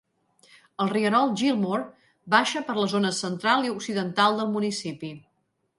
El rierol Gilmore baixa per les zones central i occidental del municipi.